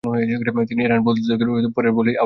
তিনি এ রান তুলতে পেরেছিলেন ও পরের বলেই আউট হন।